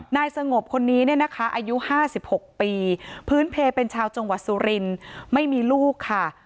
นายสงบคนนี้เนี่ยนะคะอายุ๕๖ปีพื้นเพลเป็นชาวจังหวัดสุรินทร์ไม่มีลูกค่ะ